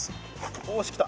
おし来た。